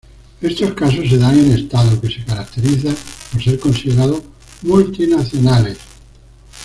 Estos casos se dan en Estado que se caracterizan por ser considerados "multinacionales".